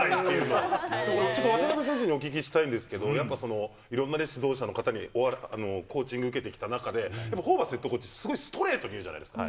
ちょっと渡邊選手にお聞きしたいんですけど、やっぱその、いろんな指導者の方にコーチング受けてきた中で、やっぱホーバスヘッドコーチ、すごいストレートに言うじゃないですか。